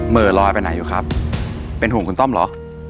ลอยไปไหนอยู่ครับเป็นห่วงคุณต้อมเหรอ